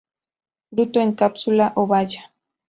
Fruto en cápsula o baya.